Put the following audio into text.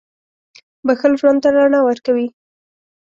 • بښل ژوند ته رڼا ورکوي.